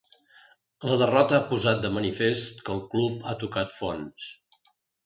La derrota ha posat de manifest que el club ha tocat fons.